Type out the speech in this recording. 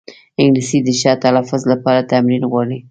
انګلیسي د ښه تلفظ لپاره تمرین غواړي